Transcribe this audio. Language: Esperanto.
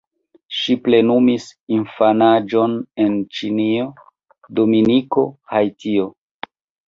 Ŝi plenumis infanaĝon en Ĉinio, Dominiko, Haitio.